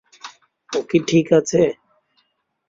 ও কি ঠিক আছে?